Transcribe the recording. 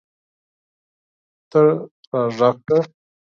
ته راږغ کړه